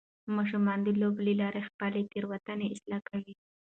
ماشومان د لوبو له لارې خپلې تیروتنې اصلاح کوي.